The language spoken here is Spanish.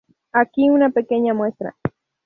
Aquí una pequeña muestra.